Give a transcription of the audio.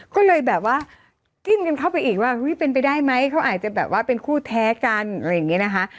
ก็เลยแบบว่ากิ้นกันเข้าไปอีกว่าเป็นไปได้ไหมเขาอาจจะแบบว่าเป็นคู่แท้กันอะไรอย่างนี้นะคะ